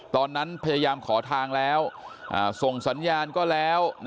ตอนนั้นพยายามขอทางแล้วส่งสัญญาณก็แล้ว